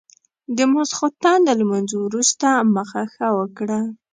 د ماسخوتن لمونځ وروسته مخه ښه وکړه.